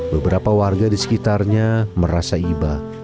beberapa warga di sekitarnya merasa iba